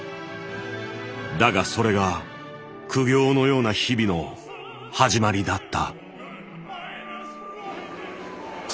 だがそれが苦行のような日々の始まりだった。